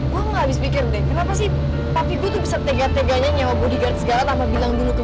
gue gak habis pikirin deh kenapa sih papi gue tuh bisa tega teganya nyawa bodyguard segala tanpa bilang apa